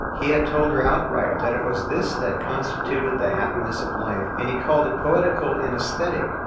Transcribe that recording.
He had told her outright that it was this that constituted the happiness of life, and he called it poetical and aesthetic.